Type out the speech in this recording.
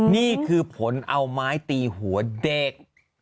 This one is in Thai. นี่คือผลเอาไม้ตีหัวเด็ก